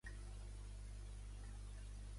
Junts i Compromís estaran presents al debat electoral